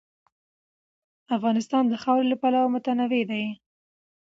افغانستان د خاوره له پلوه متنوع دی.